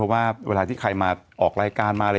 ว่าเวลาที่ใครมาออกรายการมาอะไร